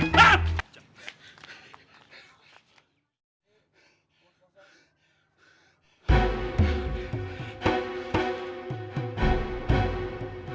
mau ubah kakek mana lo